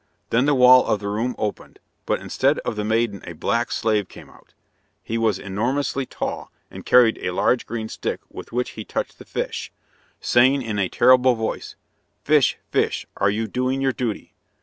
Then the wall of the room opened, but instead of the maiden a black slave came out. He was enormously tall, and carried a large green stick with which he touched the fish, saying in a terrible voice, "Fish, fish, are you doing your duty?"